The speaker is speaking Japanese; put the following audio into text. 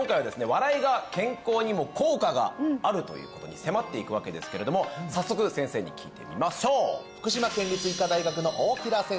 笑いが健康にも効果があるということに迫っていくわけですけれども早速先生に聞いてみましょう福島県立医科大学の大平先生です